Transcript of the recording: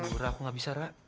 laura aku gak bisa ra